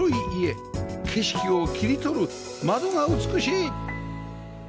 景色を切り取る窓が美しい！